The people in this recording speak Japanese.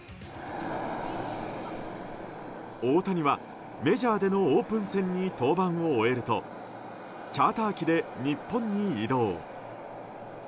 大谷はメジャーでのオープン戦に登板を終えるとチャーター機で日本に移動。